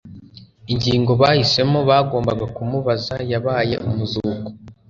Ingingo bahisemo bagombaga kumubaza, yabaye umuzuko.